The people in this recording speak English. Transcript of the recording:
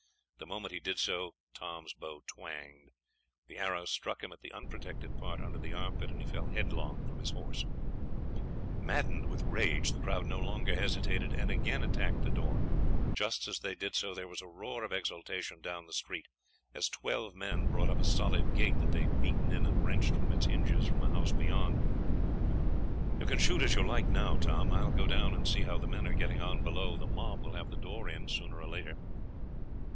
The moment he did so Tom's bow twanged. The arrow struck him at the unprotected part under the arm pit, and he fell headlong from his horse. Maddened with rage the crowd no longer hesitated, and again attacked the door. Just as they did so there was a roar of exultation down the street as twelve men brought up a solid gate that they had beaten in and wrenched from its hinges from a house beyond. [Illustration: "TOM'S BOW TWANGED, AND THE ARROW STRUCK THE HORSEMAN UNDER THE ARM PIT."] "You can shoot as you like now, Tom. I will go down and see how the men are getting on below; the mob will have the door in sooner or later."